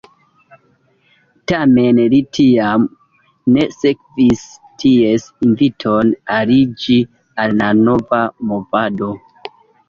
Tamen li tiam ne sekvis ties inviton aliĝi al la nova movado.